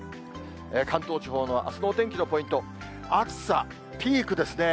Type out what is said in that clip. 関東地方のあすのお天気のポイント、暑さピークですね。